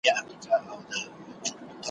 له یوه کوهي را وزي بل ته لوېږي `